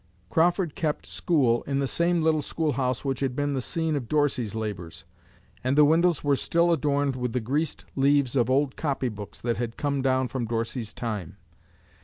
Crawford 'kept school' in the same little school house which had been the scene of Dorsey's labors, and the windows were still adorned with the greased leaves of old copybooks that had come down from Dorsey's time.